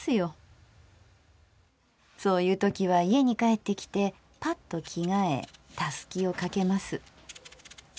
そういうときは家に帰ってきてパッと着替えたすきをかけます。